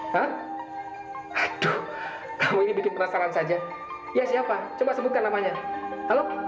hai aduh kamu ini bikin penasaran saja ya siapa coba sebutkan namanya halo